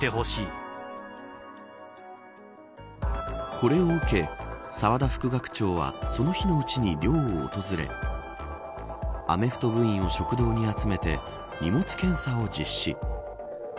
これを受け、澤田副学長はその日のうちに寮を訪れアメフト部員を食堂に集めて荷物検査を実施。